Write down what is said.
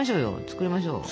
作りましょう。